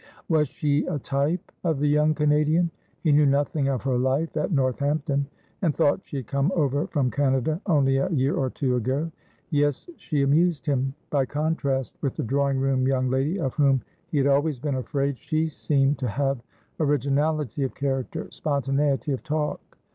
Was she a type of the young Canadian? He knew nothing of her life at Northampton, and thought she had come over from Canada only a year or two ago. Yes, she amused him. By contrast with the drawing room young lady, of whom he had always been afraid, she seemed to have originality of character, spontaneity of talk.